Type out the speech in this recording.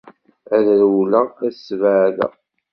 Ad rewleɣ, ad sbeɛdeɣ.